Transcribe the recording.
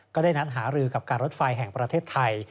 ก็ได้นัดหารือกับการรถไฟแห่งประเทศไทย